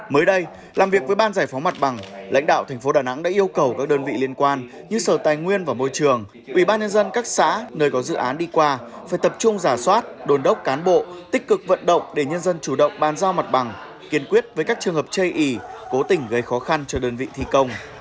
mới đây làm việc với ban giải phóng mặt bằng lãnh đạo thành phố đà nẵng đã yêu cầu các đơn vị liên quan như sở tài nguyên và môi trường ubnd các xã nơi có dự án đi qua phải tập trung giả soát đồn đốc cán bộ tích cực vận động để nhân dân chủ động bàn giao mặt bằng kiên quyết với các trường hợp chây ý cố tình gây khó khăn cho đơn vị thi công